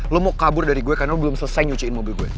lo mau kabur dari gue karena belum selesai nyuciin mobil gue